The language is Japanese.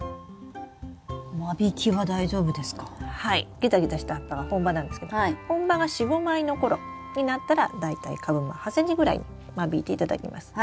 ギザギザした葉っぱが本葉なんですけど本葉が４５枚の頃になったら大体株間８ｃｍぐらいに間引いていただきます。